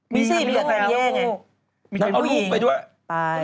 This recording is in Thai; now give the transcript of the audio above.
มีที่รู้อะไรเงี่ยไง